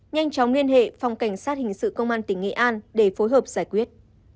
nhanh chóng liên hệ phòng cảnh sát hình sự công an tỉnh nghệ an để phối hợp giải quyết